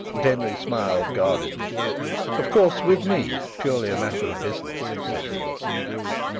Denry smiled guardedly. "Of course, with me it's purely a matter of business," said he.